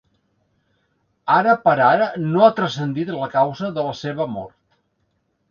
Ara per ara no ha transcendit la causat de la seva mort.